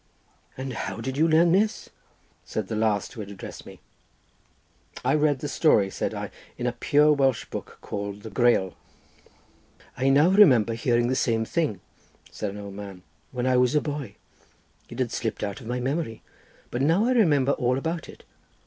"And how did you learn this?" said the last who had addressed me. "I read the story," said I, "in a pure Welsh book called the Greal." "I now remember hearing the same thing," said an old man, "when I was a boy; it had slipped out of my memory, but now I remember all about it.